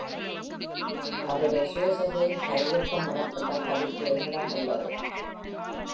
அவருடைய சுயசரிதையின் கையொப்பமிடப்பட்ட பதிப்பு என்னிடம் உள்ளது.